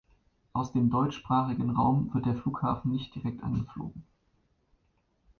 Aus dem deutschsprachigen Raum wird der Flughafen nicht direkt angeflogen.